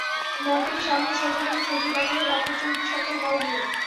মনটাকে সামান্য সজাগ এবং সজীব রাখাই হবে আপনার চলতি সপ্তাহের করণীয়।